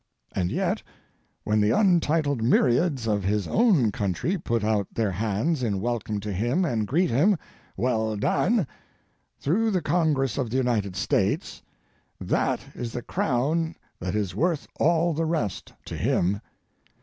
And yet, when the untitled myriads of his own country put out their hands in welcome to him and greet him, "Well done," through the Congress of the United States, that is the crown that is worth all the rest to him.